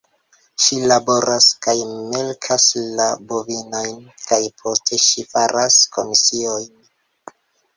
Ŝi laboras kaj melkas la bovinojn, kaj poste ŝi faras komisiojn.